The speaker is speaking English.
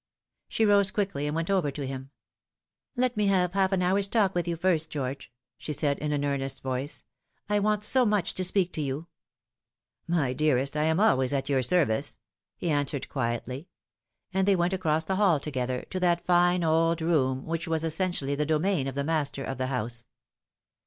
She rose quickly and went over to him. " Let me have half an hour's talk with you first, George," she said, in an earnest voice :" I want so much to speak to you." " My dearest, I am always at your service," he answered quietly ; and they went across the hall together, to that fine old room which was essentially the domain of the master of the house.